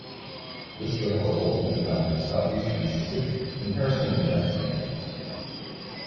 This turtle has also been found in south-eastern Mississippi, in Harrison and Jackson counties.